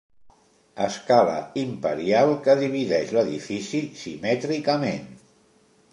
Escala imperial que divideix l'edifici simètricament.